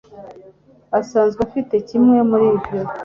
usanzwe ufite kimwe muri ibyo